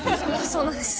そうなんです。